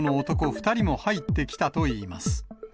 ２人も入ってきたといいます。